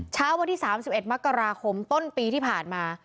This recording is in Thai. เช้าวันที่๓๑มกราคมต้นปีที่ผ่านมา